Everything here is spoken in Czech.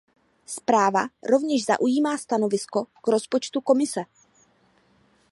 Zpráva rovněž zaujímá stanovisko k rozpočtu Komise.